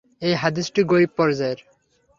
এই হাদীসটি গরীব পর্যায়ের।